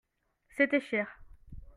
C'était cher.